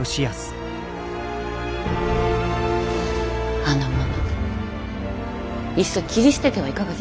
あの者いっそ切り捨ててはいかがでしょうか。